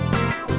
akang harus pergi